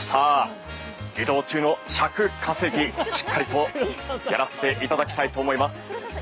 移動中の尺稼ぎしっかりとやらせていただきたいと思います。